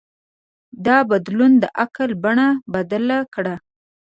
دا بدلون د عقل بڼه بدله کړه.